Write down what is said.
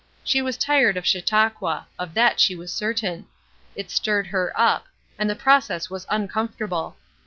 She was tired of Chautauqua; of that she was certain. It stirred her up, and the process was uncomfortable.